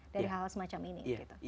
dari hal semacam ini